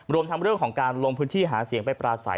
รวมทั้งเรื่องของการลงพื้นที่หาเสียงไปปราศัย